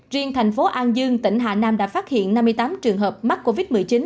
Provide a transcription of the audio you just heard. riêng thành phố an dương tỉnh hà nam đã phát hiện năm mươi tám trường hợp mắc covid một mươi chín